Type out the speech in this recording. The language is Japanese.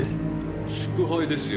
祝杯ですよ。